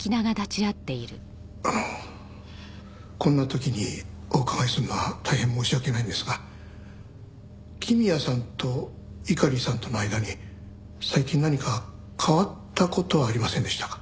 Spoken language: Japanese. あのこんな時にお伺いするのは大変申し訳ないんですが公也さんと猪狩さんとの間に最近何か変わった事はありませんでしたか？